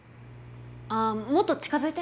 あもっと近づいて。